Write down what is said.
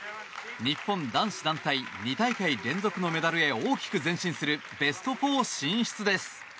日本男子団体２大会連続のメダルへ大きく前進するベスト４進出です。